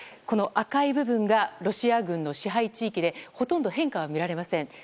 この赤い部分がロシア軍の支配地域でほとんど変化は見られません。